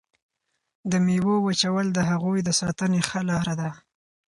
د میوو وچول د هغوی د ساتنې ښه لاره ده.